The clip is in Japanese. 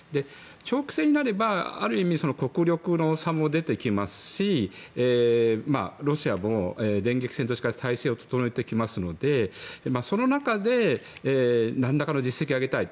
長期戦になれば国力の差も出てきますしロシアも電撃戦として体制を整えてきますのでその中で何らかの実績を上げたい